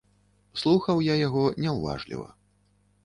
Слухаў я яго няўважліва.